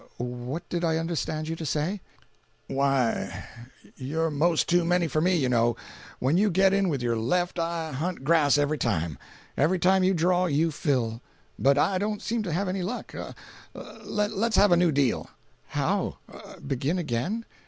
"What did I understand you to say?" "Why, you're most too many for me, you know. When you get in with your left I hunt grass every time. Every time you draw, you fill; but I don't seem to have any luck. Lets have a new deal." "How? Begin again?"